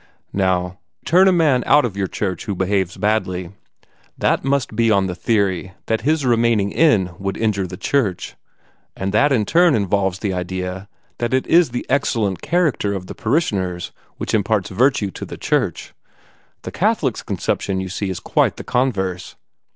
Now, you turn a man out of your church who behaves badly: that must be on the theory that his remaining in would injure the church, and that in turn involves the idea that it is the excellent character of the parishioners which imparts virtue to the church. The Catholics' conception, you see, is quite the converse.